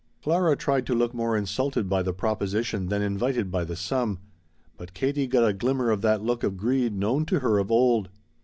Clara tried to look more insulted by the proposition than invited by the sum. But Katie got a glimmer of that look of greed known to her of old.